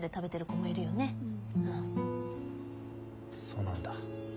そうなんだ。